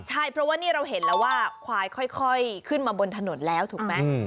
ใช่เพราะว่านี่เราเห็นแล้วว่าควายค่อยขึ้นมาบนถนนแล้วถูกไหม